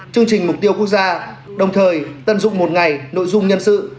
chương trình mục tiêu quốc gia đồng thời tận dụng một ngày nội dung nhân sự